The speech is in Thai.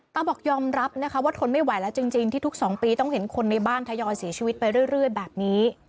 บอกยอมรับนะคะว่าทนไม่ไหวแล้วจริงที่ทุก๒ปีต้องเห็นคนในบ้านทยอยเสียชีวิตไปเรื่อยแบบนี้